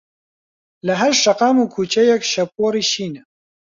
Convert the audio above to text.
لەهەر شەقام و کووچەیەک شەپۆڕی شینە